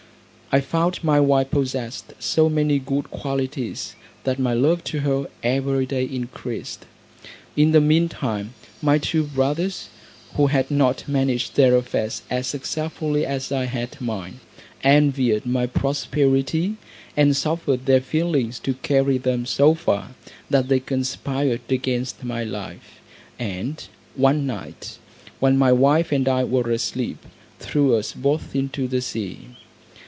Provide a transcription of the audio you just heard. I found my wife possessed so many good qualities, that my love to her every day increased. In the mean time my two brothers, who had not managed their affairs as successfully as I had mine, envied my prosperity; and suffered their feelings to carry them so far, that they conspired against my life; and one night, when my wife and I were asleep, threw us both into the sea.